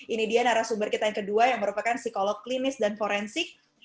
ini dia narasumber kita yang kedua yang merupakan psikolog klinis dan forensik